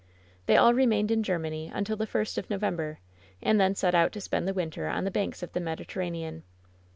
They all remained in Germany until the first of No vember, and then set out to spend the winter on the banks of the Mediterranean.